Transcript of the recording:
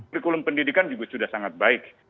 kurikulum pendidikan juga sudah sangat baik